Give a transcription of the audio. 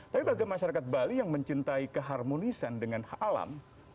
tapi bagi masyarakat bali yang mencintai keharmonisan dengan alam